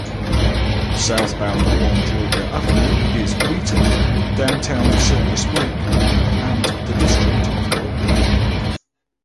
Southbound along Georgia Avenue is Wheaton, downtown Silver Spring, and the District of Columbia.